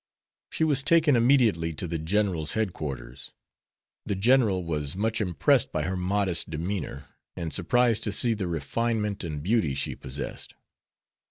She was taken immediately to the General's headquarters. The General was much impressed by her modest demeanor, and surprised to see the refinement and beauty she possessed.